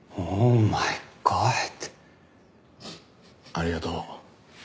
ありがとう。